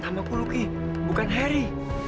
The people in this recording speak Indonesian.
nama ku lucky bukan harry